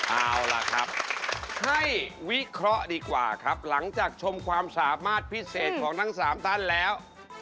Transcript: เอาล่ะครับให้วิเคราะห์ดีกว่าครับหลังจากชมความสามารถพิเศษของทั้ง๓ท่านแล้ว